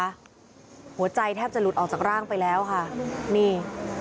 หัวใจแทบจะหลุดออกจากร่างไปแล้วค่ะนี่